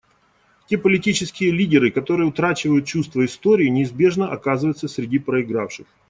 Те политические лидеры, которые утрачивают чувство истории, неизбежно оказываются среди проигравших.